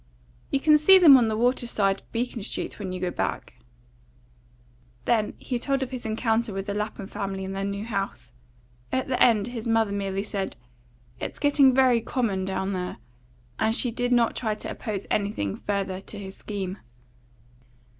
"You can see them on the water side of Beacon Street when you go back." Then he told of his encounter with the Lapham family in their new house. At the end his mother merely said, "It is getting very common down there," and she did not try to oppose anything further to his scheme.